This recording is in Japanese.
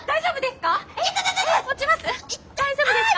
大丈夫ですか！？